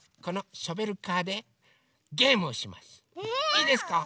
いいですか？